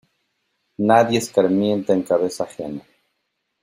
Nadie escarmienta en cabeza ajena.